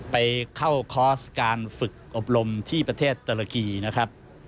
ไปเข้าคอร์สการฝึกอบรมที่ประเทศตุรกีนะครับ